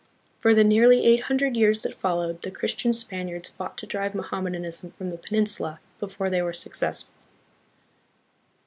For the nearly eight hundred years that followed, the Christian Spaniards fought to drive Mohammedanism from the peninsula, before they were successful.